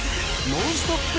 ノンストップ！